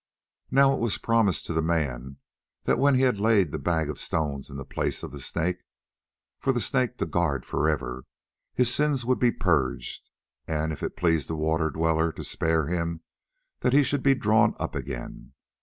"Now it was promised to the man that when he had laid the bag of stones in the place of the Snake, for the Snake to guard for ever, his sins would be purged, and, if it pleased the Water dweller to spare him, that he should be drawn up again.